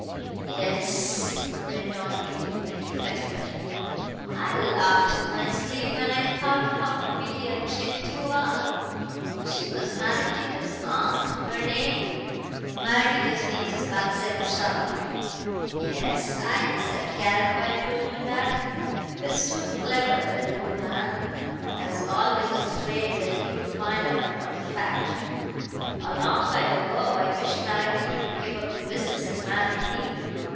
Yes," went on Hale, when he felt better, "I laughed in my sleeve when I thought how Emilia tricked you all. She was Maraquito's aunt. Her name " "Maraquito's name is Bathsheba Saul." "Yes. I expect Caranby told you that. He was too clever, that old man. I was always afraid that he would find out about the factory. A long while ago I wished Maraquito to give up the business and marry me.